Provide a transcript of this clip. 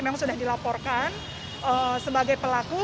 memang sudah dilaporkan sebagai pelaku